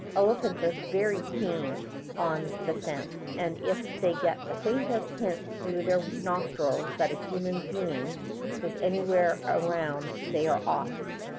Elephants are very keen on the scent, and if they get the faintest hint through their nostrils that a human being is anywhere around they are off.